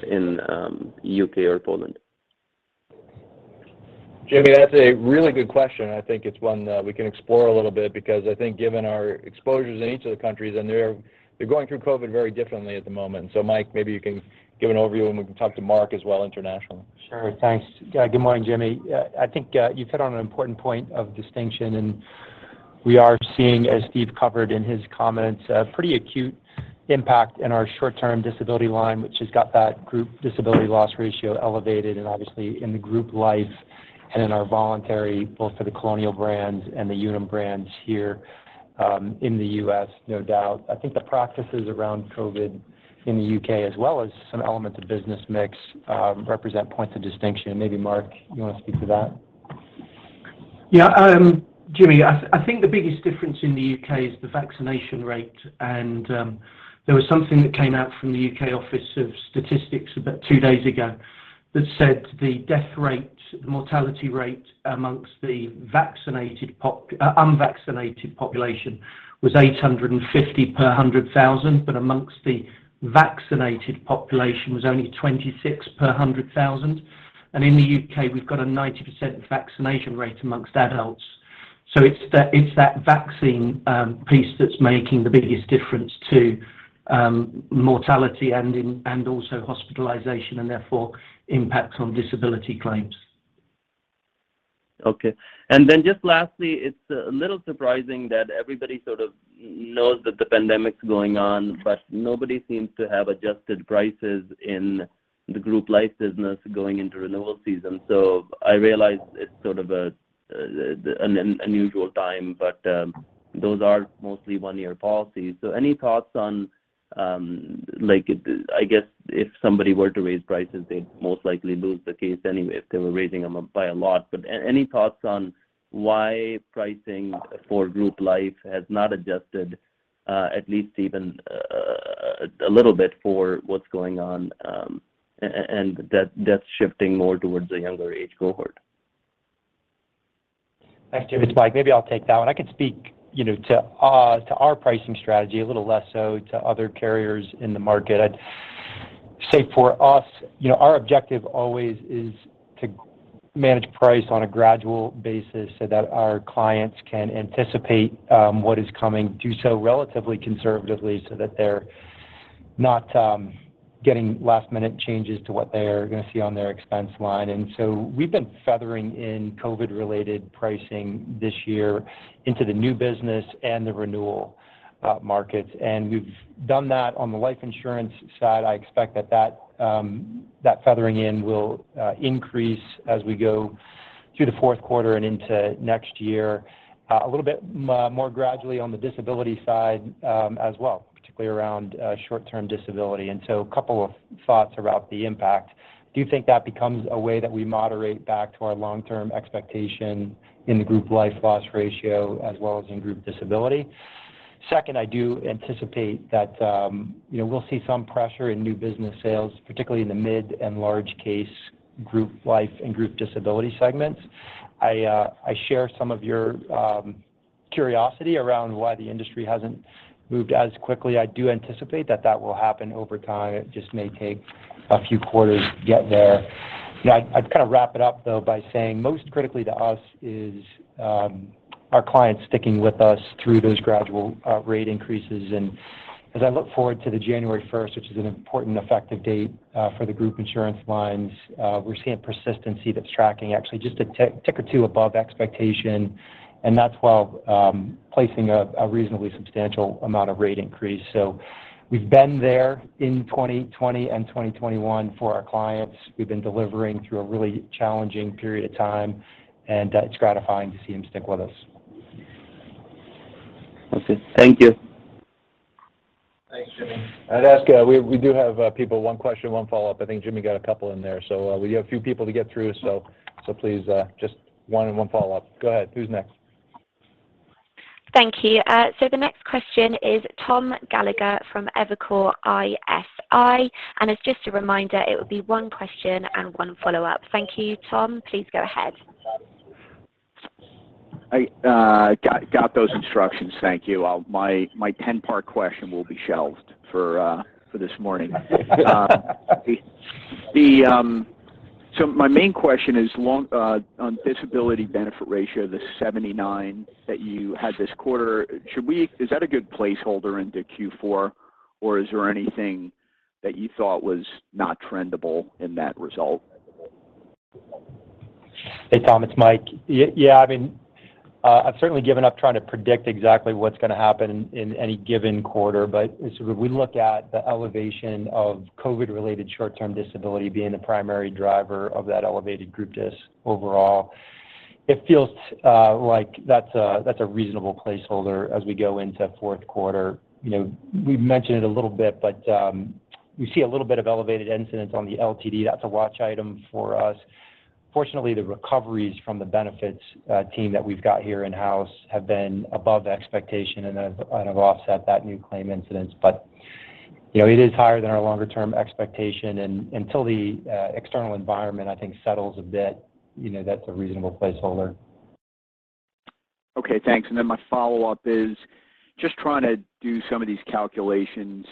in U.K. or Poland? Jimmy, that's a really good question, and I think it's one that we can explore a little bit because I think given our exposures in each of the countries, and they're going through COVID very differently at the moment. Mike, maybe you can give an overview, and we can talk to Mark as well internationally. Sure. Thanks. Good morning, Jimmy. I think you hit on an important point of distinction, and we are seeing, as Steve covered in his comments, a pretty acute impact in our short-term disability line, which has got that group disability loss ratio elevated and obviously in the group life and in our voluntary, both for the Colonial brands and the Unum brands here, in the U.S., no doubt. I think the practices around COVID in the U.K. as well as some elements of business mix represent points of distinction. Maybe Mark, you want to speak to that? Yeah. Jimmy, I think the biggest difference in the U.K. is the vaccination rate, and there was something that came out from the Office for National Statistics about two days ago that said the death rate, the mortality rate amongst the unvaccinated population was 850 per 100,000, but amongst the vaccinated population was only 26 per 100,000. In the U.K., we've got a 90% vaccination rate amongst adults. It's that vaccine piece that's making the biggest difference to mortality and also hospitalization, and therefore impact on disability claims. Okay. Then just lastly, it's a little surprising that everybody sort of knows that the pandemic's going on, but nobody seems to have adjusted prices in the group life business going into renewal season. I realize it's sort of an unusual time, but those are mostly one-year policies. Any thoughts on, like, I guess if somebody were to raise prices, they'd most likely lose the case anyway if they were raising them by a lot. Any thoughts on why pricing for group life has not adjusted, at least even a little bit for what's going on, and that that's shifting more towards a younger age cohort? Thanks, Jimmy. It's Mike. Maybe I'll take that one. I can speak, you know, to our pricing strategy, a little less so to other carriers in the market. I'd say for us, you know, our objective always is to manage price on a gradual basis so that our clients can anticipate what is coming, do so relatively conservatively so that they're not getting last-minute changes to what they're going to see on their expense line. We've been feathering in COVID-related pricing this year into the new business and the renewal markets. We've done that on the life insurance side. I expect that feathering in will increase as we go through the fourth quarter and into next year a little bit more gradually on the disability side as well, particularly around short-term disability. A couple of thoughts about the impact. I do think that becomes a way that we moderate back to our long-term expectation in the group life loss ratio as well as in group disability. Second, I do anticipate that we'll see some pressure in new business sales, particularly in the mid and large case group life and group disability segments. I share some of your curiosity around why the industry hasn't moved as quickly. I do anticipate that that will happen over time. It just may take a few quarters to get there. I'd kind of wrap it up, though, by saying most critically to us is our clients sticking with us through those gradual rate increases. As I look forward to the January first, which is an important effective date, for the group insurance lines, we're seeing persistency that's tracking actually just a tick or two above expectation, and that's while placing a reasonably substantial amount of rate increase. We've been there in 2020 and 2021 for our clients. We've been delivering through a really challenging period of time, and it's gratifying to see them stick with us. Okay. Thank you. Thanks, Jimmy. I'd ask, we do have people one question, one follow-up. I think Jimmy got a couple in there. We have a few people to get through, so please, just one and one follow-up. Go ahead. Who's next? Thank you. So the next question is Tom Gallagher from Evercore ISI. As just a reminder, it would be one question and one follow-up. Thank you, Tom. Please go ahead. I got those instructions. Thank you. My 10-part question will be shelved for this morning. My main question is on disability benefit ratio, the 79% that you had this quarter, is that a good placeholder into Q4, or is there anything that you thought was not trendable in that result? Hey, Tom. It's Mike. Yeah, I mean, I've certainly given up trying to predict exactly what's going to happen in any given quarter. As we look at the elevation of COVID-related short-term disability being the primary driver of that elevated group just overall, it feels like that's a reasonable placeholder as we go into fourth quarter. You know, we've mentioned it a little bit, but we see a little bit of elevated incidents on the LTD. That's a watch item for us. Fortunately, the recoveries from the benefits team that we've got here in-house have been above expectation and have offset that new claim incidents. You know, it is higher than our longer term expectation. Until the external environment, I think, settles a bit, you know, that's a reasonable placeholder. Okay, thanks. My follow-up is just trying to do some of these calculations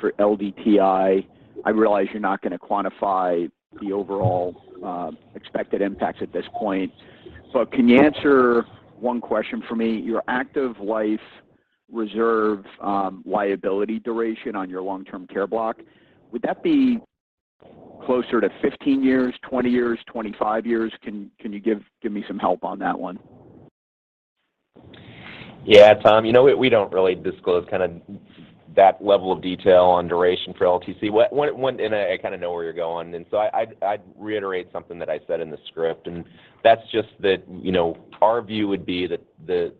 for LDTI. I realize you're not going to quantify the overall, expected impacts at this point, but can you answer one question for me? Your active life reserve, liability duration on your long-term care block, would that be closer to 15 years, 20 years, 25 years? Can you give me some help on that one? Yeah, Tom. You know what, we don't really disclose kind of that level of detail on duration for LTC. I kind of know where you're going. I'd reiterate something that I said in the script, and that's just that, you know, our view would be that the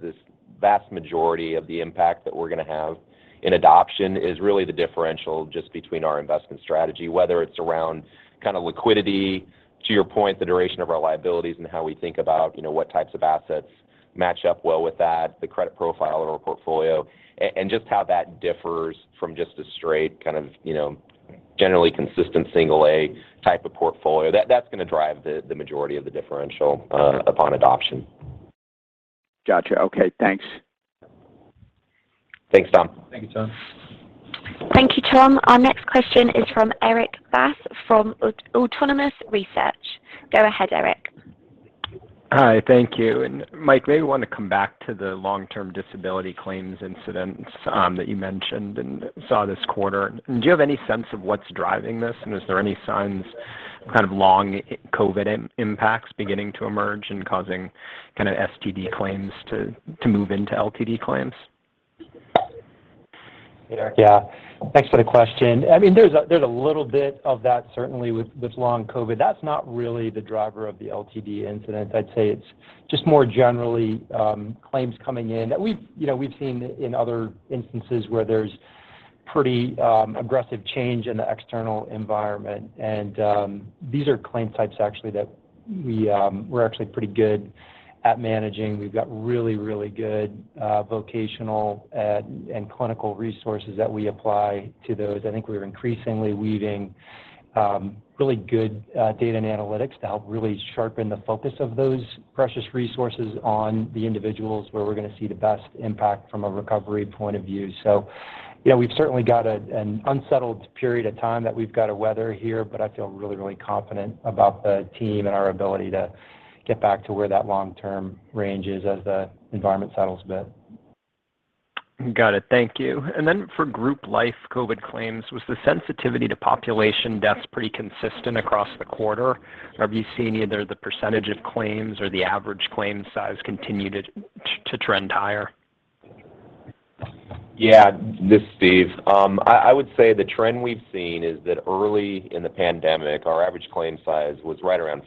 vast majority of the impact that we're going to have in adoption is really the differential just between our investment strategy, whether it's around kind of liquidity, to your point, the duration of our liabilities and how we think about, you know, what types of assets match up well with that, the credit profile of our portfolio, and just how that differs from just a straight kind of, you know, generally consistent single A type of portfolio. That's going to drive the majority of the differential upon adoption. Got you. Okay, thanks. Thanks, Tom. Thank you, Tom. Thank you, Tom. Our next question is from Erik Bass from Autonomous Research. Go ahead, Erik. Hi. Thank you. Mike, maybe want to come back to the long-term disability claims incidents that you mentioned and saw this quarter. Do you have any sense of what's driving this, and is there any signs kind of long COVID impact beginning to emerge and causing kind of STD claims to move into LTD claims? Yeah. Thanks for the question. I mean, there's a little bit of that certainly with long COVID. That's not really the driver of the LTD incidence. I'd say it's just more generally claims coming in. You know, we've seen in other instances where there's pretty aggressive change in the external environment. These are claim types actually that we're actually pretty good at managing. We've got really good vocational and clinical resources that we apply to those. I think we are increasingly weaving really good data and analytics to help really sharpen the focus of those precious resources on the individuals where we're going to see the best impact from a recovery point of view. You know, we've certainly got a, an unsettled period of time that we've got to weather here, but I feel really, really confident about the team and our ability to get back to where that long-term range is as the environment settles a bit. Got it. Thank you. For group life COVID claims, was the sensitivity to population deaths pretty consistent across the quarter? Have you seen either the percentage of claims or the average claim size continue to trend higher? Yeah. This is Steve. I would say the trend we've seen is that early in the pandemic, our average claim size was right around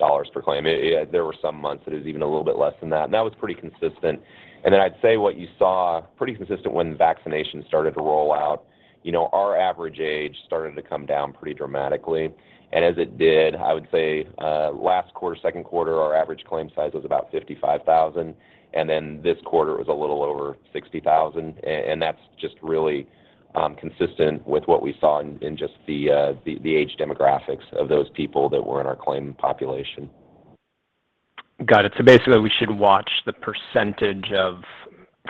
$50,000 per claim. There were some months it was even a little bit less than that, and that was pretty consistent. Then I'd say what we saw was pretty consistent when vaccination started to roll out, you know, our average age started to come down pretty dramatically. As it did, I would say in the second quarter, our average claim size was about $55,000, and then this quarter was a little over $60,000. That's just really consistent with what we saw in just the age demographics of those people that were in our claim population. Got it. Basically, we should watch the percentage of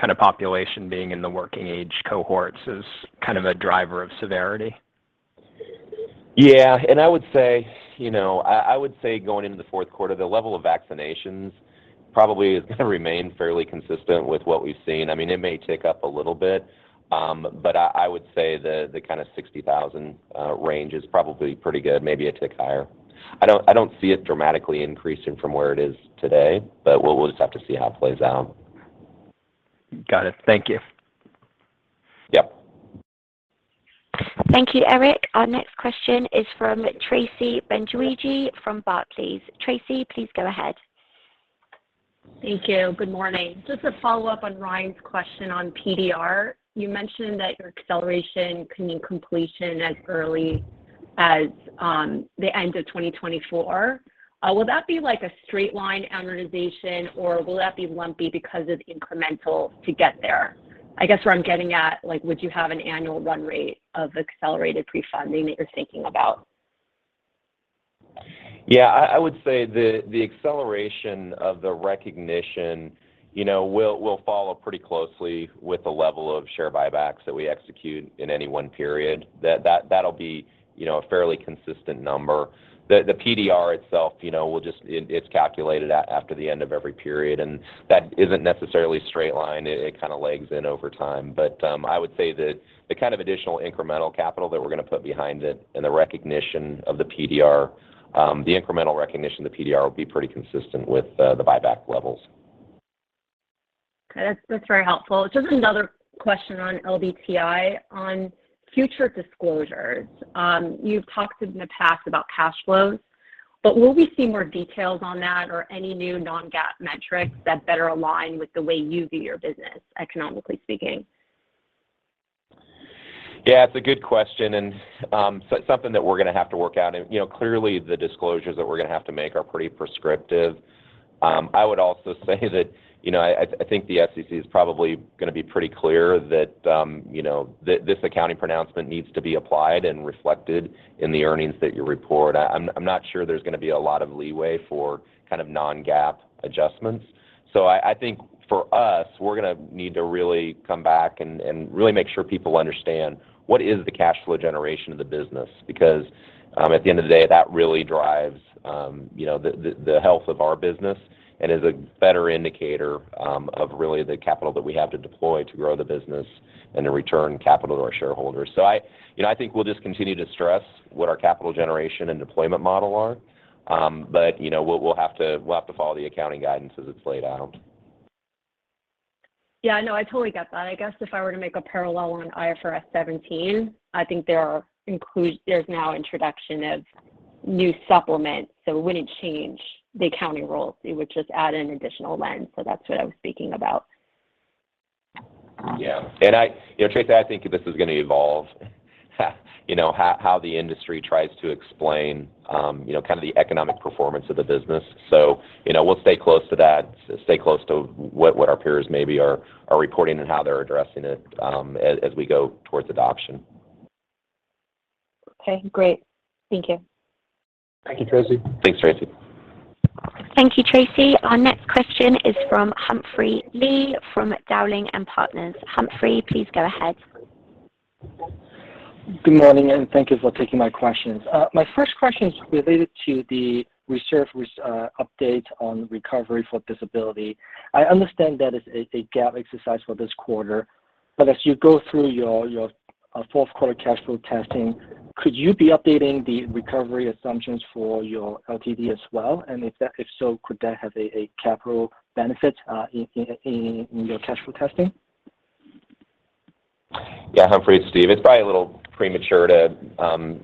kind of population being in the working age cohorts as kind of a driver of severity? Yeah. I would say, you know, I would say going into the fourth quarter, the level of vaccinations probably is going to remain fairly consistent with what we've seen. I mean, it may tick up a little bit. I would say the kind of 60,000 range is probably pretty good, maybe a tick higher. I don't see it dramatically increasing from where it is today, but we'll just have to see how it plays out. Got it. Thank you. Yep. Thank you, Erik. Our next question is from Tracy Benguigui from Barclays. Tracy, please go ahead. Thank you. Good morning. Just a follow-up on Ryan's question on PDR. You mentioned that your acceleration can mean completion as early as the end of 2024. Will that be like a straight line amortization, or will that be lumpy because it's incremental to get there? I guess where I'm getting at, like, would you have an annual run rate of accelerated prefunding that you're thinking about? Yeah. I would say the acceleration of the recognition, you know, will follow pretty closely with the level of share buybacks that we execute in any one period. That'll be, you know, a fairly consistent number. The PDR itself, you know, will just, it's calculated after the end of every period, and that isn't necessarily straight line. It kind of legs in over time. I would say that the kind of additional incremental capital that we're going to put behind it and the recognition of the PDR, the incremental recognition of the PDR will be pretty consistent with the buyback levels. Okay. That's very helpful. Just another question on LDTI. On future disclosures, you've talked in the past about cash flows. Will we see more details on that or any new non-GAAP metrics that better align with the way you view your business, economically speaking? Yeah, it's a good question, and so something that we're gonna have to work out. You know, clearly the disclosures that we're gonna have to make are pretty prescriptive. I would also say that, you know, I think the SEC is probably gonna be pretty clear that, you know, this accounting pronouncement needs to be applied and reflected in the earnings that you report. I'm not sure there's gonna be a lot of leeway for kind of non-GAAP adjustments. I think for us, we're gonna need to really come back and really make sure people understand what is the cash flow generation of the business. Because at the end of the day, that really drives you know the health of our business and is a better indicator of really the capital that we have to deploy to grow the business and to return capital to our shareholders. I you know I think we'll just continue to stress what our capital generation and deployment model are. You know we'll have to follow the accounting guidance as it's laid out. Yeah, no, I totally get that. I guess if I were to make a parallel on IFRS 17, I think there's now introduction of new supplements, so it wouldn't change the accounting rules. It would just add an additional lens. That's what I was thinking about. Yeah. You know, Tracy, I think this is gonna evolve, you know, how the industry tries to explain, you know, kind of the economic performance of the business. You know, we'll stay close to that, stay close to what our peers maybe are reporting and how they're addressing it, as we go towards adoption. Okay, great. Thank you. Thank you, Tracy. Thanks, Tracy. Thank you, Tracy. Our next question is from Humphrey Lee from Dowling & Partners. Humphrey, please go ahead. Good morning, and thank you for taking my questions. My first question is related to the reserve update on recovery for disability. I understand that it's a GAAP exercise for this quarter. As you go through your fourth quarter cash flow testing, could you be updating the recovery assumptions for your LTD as well? And if so, could that have a capital benefit in your cash flow testing? Yeah, Humphrey, it's Steve. It's probably a little premature to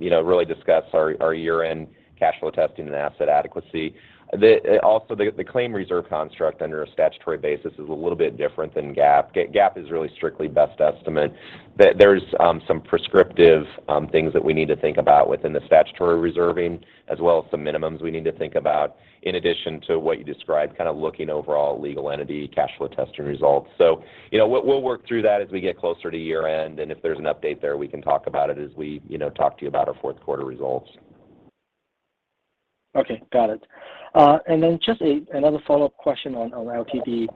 you know, really discuss our year-end cash flow testing and asset adequacy. The claim reserve construct under a statutory basis is a little bit different than GAAP. GAAP is really strictly best estimate. There's some prescriptive things that we need to think about within the statutory reserving, as well as some minimums we need to think about in addition to what you described, kind of looking overall legal entity cash flow testing results. You know, we'll work through that as we get closer to year-end, and if there's an update there, we can talk about it as we talk to you about our fourth quarter results. Okay. Got it. Just another follow-up question on LTD.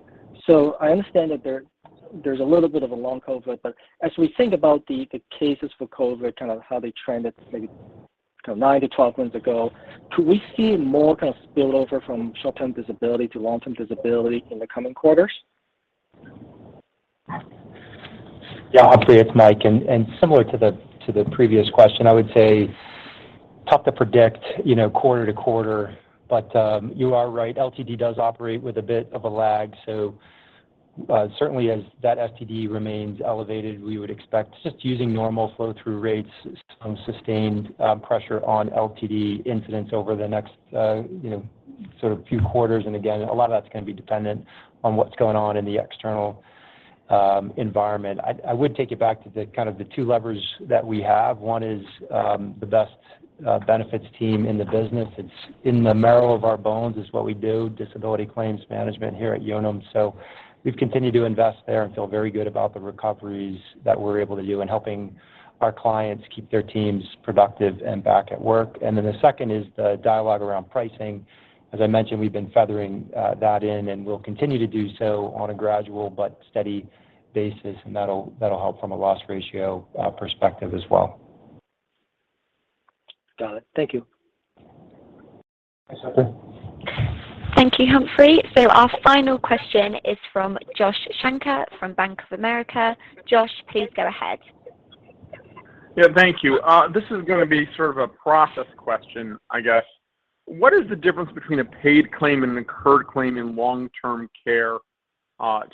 I understand that there's a little bit of a long COVID, but as we think about the cases for COVID, kind of how they trended maybe kind of 9-12 months ago, could we see more kind of spillover from short-term disability to long-term disability in the coming quarters? Yeah, Humphrey, it's Mike. Similar to the previous question, I would say tough to predict, you know, quarter to quarter. You are right, LTD does operate with a bit of a lag. Certainly as that STD remains elevated, we would expect just using normal flow through rates, some sustained pressure on LTD incidents over the next, you know, sort of few quarters. Again, a lot of that's gonna be dependent on what's going on in the external environment. I would take it back to the kind of the two levers that we have. One is the best benefits team in the business. It's in the marrow of our bones. It's what we do, disability claims management here at Unum. We've continued to invest there and feel very good about the recoveries that we're able to do in helping our clients keep their teams productive and back at work. The second is the dialogue around pricing. As I mentioned, we've been feathering that in, and we'll continue to do so on a gradual but steady basis, and that'll help from a loss ratio perspective as well. Got it. Thank you. Thanks, Humphrey. Thank you, Humphrey. Our final question is from Joshua Shanker from Bank of America. Josh, please go ahead. Yeah. Thank you. This is gonna be sort of a process question, I guess. What is the difference between a paid claim and an incurred claim in long-term care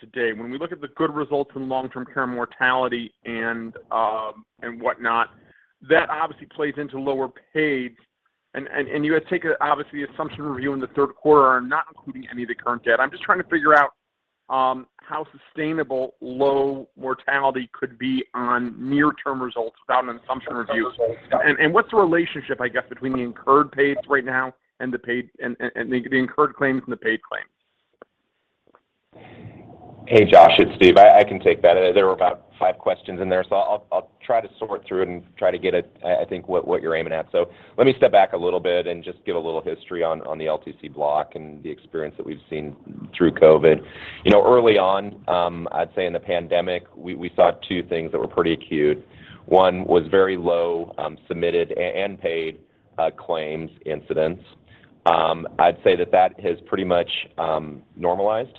today? When we look at the good results in long-term care mortality and whatnot, that obviously plays into lower paid. You guys take obviously assumption review in the third quarter are not including any of the current data. I'm just trying to figure out how sustainable low mortality could be on near-term results without an assumption review. What's the relationship, I guess, between the incurred and paid right now and the paid and the incurred claims and the paid claims? Hey, Josh, it's Steve. I can take that. There were about five questions in there, so I'll try to sort through it and try to get at, I think, what you're aiming at. Let me step back a little bit and just give a little history on the LTC block and the experience that we've seen through COVID. You know, early on, I'd say in the pandemic, we saw two things that were pretty acute. One was very low submitted and paid claims incidence. I'd say that has pretty much normalized.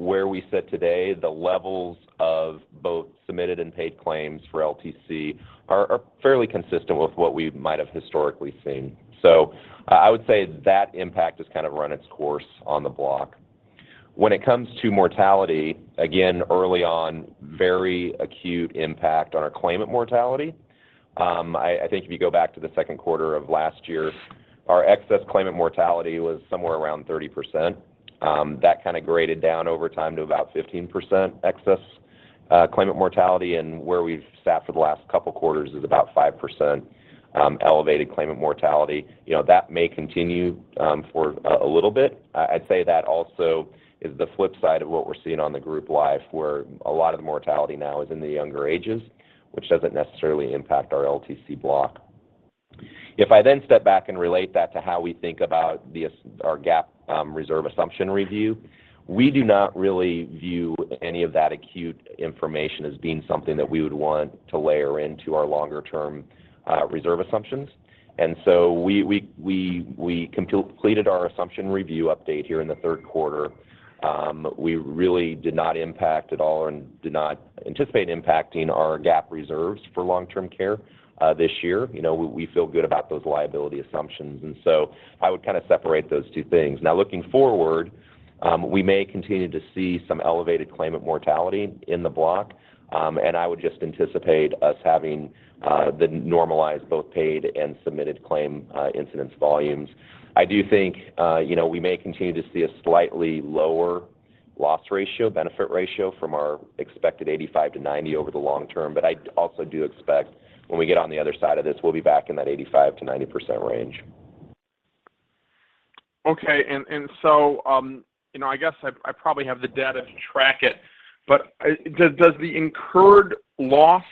Where we sit today, the levels of both submitted and paid claims for LTC are fairly consistent with what we might have historically seen. I would say that impact has kind of run its course on the block. When it comes to mortality, again, early on, very acute impact on our claimant mortality. I think if you go back to the second quarter of last year, our excess claimant mortality was somewhere around 30%. That kind of graded down over time to about 15% excess claimant mortality, and where we've sat for the last couple quarters is about 5% elevated claimant mortality. You know, that may continue for a little bit. I'd say that also is the flip side of what we're seeing on the Group Life, where a lot of the mortality now is in the younger ages, which doesn't necessarily impact our LTC block. If I then step back and relate that to how we think about our GAAP reserve assumption review, we do not really view any of that acute information as being something that we would want to layer into our longer-term reserve assumptions. We completed our assumption review update here in the third quarter. We really did not impact at all and do not anticipate impacting our GAAP reserves for long-term care this year. You know, we feel good about those liability assumptions, I would kind of separate those two things. Now looking forward, we may continue to see some elevated claimant mortality in the block, and I would just anticipate us having the normalized both paid and submitted claim incidence volumes. I do think we may continue to see a slightly lower loss ratio, benefit ratio from our expected 85%-90% over the long term. I also do expect when we get on the other side of this, we'll be back in that 85%-90% range. Okay. You know, I guess I probably have the data to track it, but does the incurred loss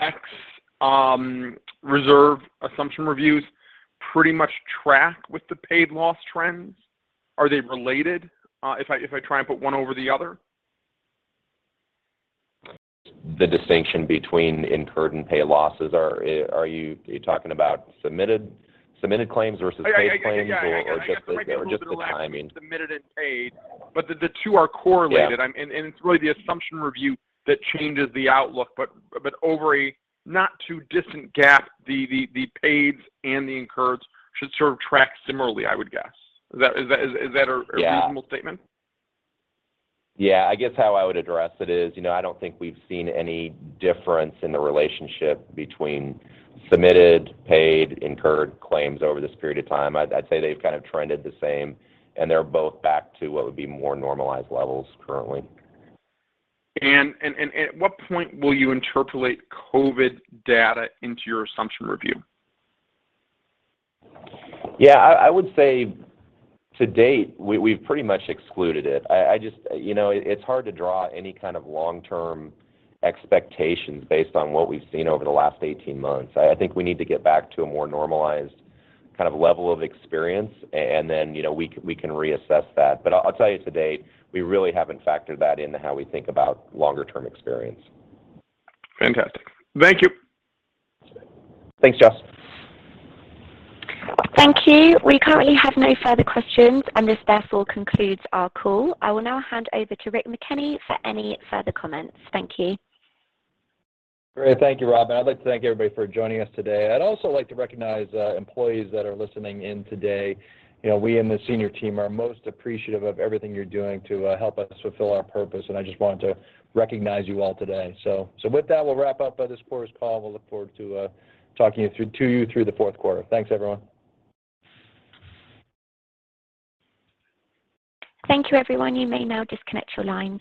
ex reserve assumption reviews pretty much track with the paid loss trends? Are they related, if I try and put one over the other? The distinction between incurred and paid losses. Are you talking about submitted claims versus paid claims or just the timing? Yeah, I guess I might be a little bit relaxed with submitted and paid, but the two are correlated. Yeah. It's really the assumption review that changes the outlook, but over a not too distant gap, the paids and the incurs should sort of track similarly, I would guess. Is that a reasonable statement? Yeah. I guess how I would address it is, you know, I don't think we've seen any difference in the relationship between submitted, paid, incurred claims over this period of time. I'd say they've kind of trended the same, and they're both back to what would be more normalized levels currently. At what point will you interpolate COVID data into your assumption review? Yeah. I would say to date, we've pretty much excluded it. I just, you know, it's hard to draw any kind of long-term expectations based on what we've seen over the last 18 months. I think we need to get back to a more normalized kind of level of experience and then, you know, we can reassess that. I'll tell you to date, we really haven't factored that into how we think about longer term experience. Fantastic. Thank you. Thanks, Josh. Thank you. We currently have no further questions, and this therefore concludes our call. I will now hand over to Rick McKenney for any further comments. Thank you. Great. Thank you, Robin. I'd like to thank everybody for joining us today. I'd also like to recognize employees that are listening in today. You know, we in the senior team are most appreciative of everything you're doing to help us fulfill our purpose, and I just wanted to recognize you all today. So with that, we'll wrap up this quarter's call. We'll look forward to talking to you through the fourth quarter. Thanks, everyone. Thank you, everyone. You may now disconnect your lines.